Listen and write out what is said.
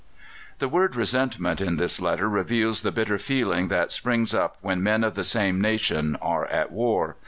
The word "resentment" in this letter reveals the bitter feeling that springs up when men of the same nation are at war.